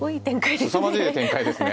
すさまじい展開ですね。